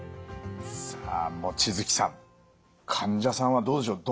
さあ望月さん患者さんはどうでしょう？